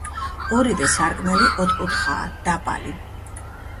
ორივე სარკმელი ოთხკუთხაა, დაბალი.